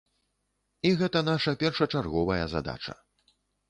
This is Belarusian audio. І гэта наша першачарговая задача.